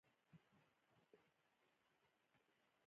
شمال